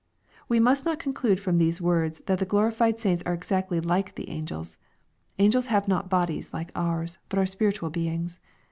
] We must not conclude from these words that the glorified saints are exactly like the angels. Angels have not bodies, like ours, but are spiritual beings.